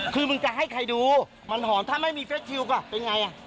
คือมึงจะให้ใครดูมันหอมถ้าไม่มีเฟสชิลค่ะเป็นอย่างไร